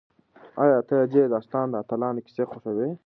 ایا ته د دې داستان د اتلانو کیسې خوښوې؟